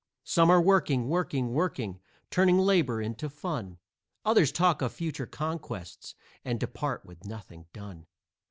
Some are working, working, working, turning labor into fun; Others talk of future conquests, and depart with nothing done.